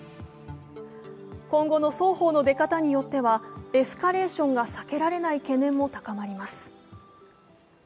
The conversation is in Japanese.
今後の双方の出方によってはエスカレーションが避けられない懸念も高まります。